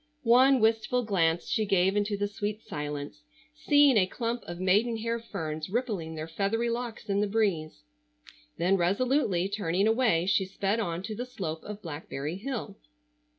One wistful glance she gave into the sweet silence, seeing a clump of maiden hair ferns rippling their feathery locks in the breeze. Then resolutely turning away she sped on to the slope of Blackberry Hill.